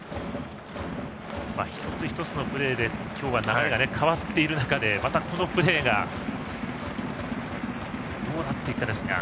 一つ一つのプレーで今日は流れが変わっている中でまた、このプレーがどうなっていくかですが。